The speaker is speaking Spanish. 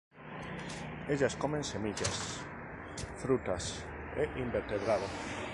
Ellas comen semillas, frutas e invertebrado.